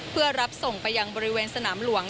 เพื่อรับส่งไปยังบริเวณสนามหลวง